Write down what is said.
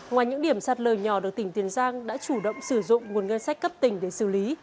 ngoài những điểm sạt lở nhỏ được tỉnh tiền giang đã chủ động sử dụng nguồn ngân sách cấp tỉnh để xử lý